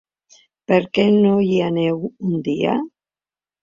Per què no hi aneu un dia.